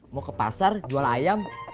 mau ke pasar jual ayam